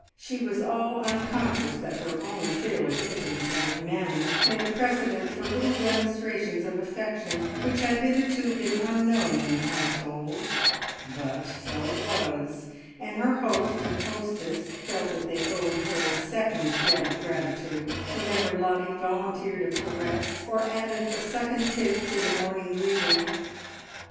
She was all unconscious that her own fearless intimacy of manner made a precedent for little demonstrations of affection which had hitherto been unknown in the household; but so it was, and her host and hostess felt that they owed her a second debt of gratitude, whenever Lottie volunteered a caress, or added a second kiss to the morning greeting.